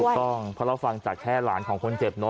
ถูกต้องเพราะเราฟังจากแค่หลานของคนเจ็บเนอ